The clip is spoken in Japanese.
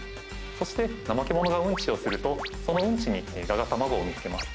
そしてナマケモノがうんちをすると、そのうんちに蛾が卵を産み付けます。